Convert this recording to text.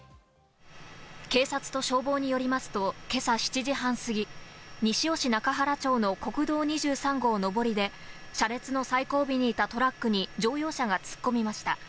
警察と消防によりますと今朝７時半すぎ、西尾市中原町の国道２３号上りで車列の最後尾にいたトラックに乗用車が突っ込みました。